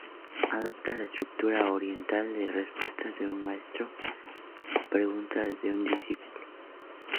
Adopta la estructura oriental de respuestas de un maestro a preguntas de su discípulo.